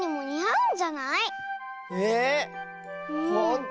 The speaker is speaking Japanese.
うん！